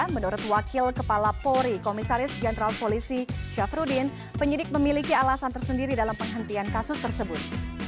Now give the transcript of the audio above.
menurut wakil kepala polri komisaris jenderal polisi syafruddin penyidik memiliki alasan tersendiri dalam penghentian kasus tersebut